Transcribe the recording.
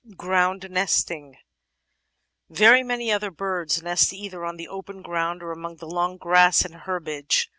Ground Nesting Very many other birds nest either on the open ground or among the long grass and herbage.